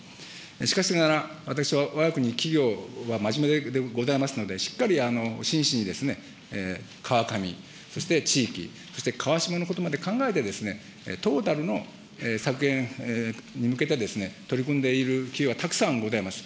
しかしながら、私はわが国企業は真面目でございますので、しっかり真摯に川上、そして地域、そして川下のことまで考えて、トータルの削減に向けて取り組んでいる企業はたくさんございます。